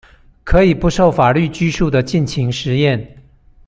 可以不受法律拘束地盡情實驗